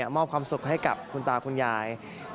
มอบความสุขให้กับคุณตาคุณยาย